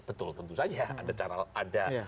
betul tentu saja